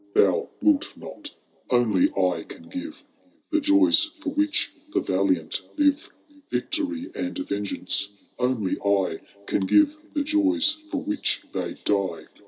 — Thou wilt not. Only I can give The jojrs for which the valiant live. Victory and vengeance — only I Can give the jojrs for which they die.